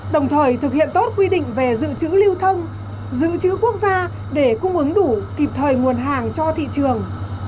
đồng thời thực hiện tốt quy định về dự trữ lưu thông dự trữ quốc gia để cung ứng đủ kịp thời nguồn hàng cho thị trường